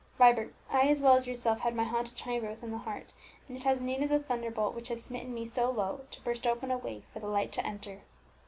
Vibert, I, as well as yourself, had my haunted chamber within the heart, and it has needed the thunderbolt which has smitten me so low to burst open a way for the light to enter."